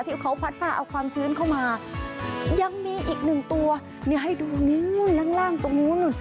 ที่เขาพัดผ้าเอาความชื้นเข้ามายังมีอีกหนึ่งตัวนี่ให้ดูนู้นล่างตรงนู้น